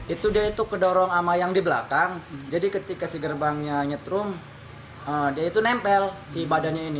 itu dia itu kedorong sama yang di belakang jadi ketika si gerbangnya nyetrum dia itu nempel si badannya ini